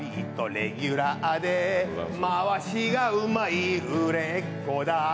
レギュラーで回しがうまい売れっ子だ。